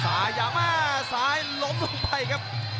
สายหยาม่าสายหลบลงไปครับ